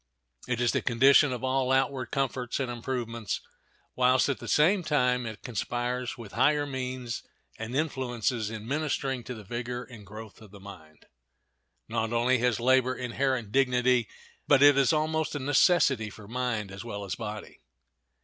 It is the condition of all outward comforts and improvements, whilst, at the same time, it conspires with higher means and influences in ministering to the vigor and growth of the mind. Not only has labor inherent dignity, but it is almost a necessity for mind as well as body.